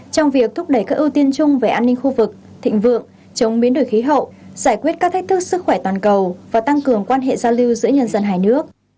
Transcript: trong việc thúc đẩy các ưu tiên chung về an ninh khu vực thịnh vượng chống biến đổi khí hậu giải quyết các thách thức sức khỏe toàn cầu và tăng cường quan hệ giao lưu giữa nhân dân hai nước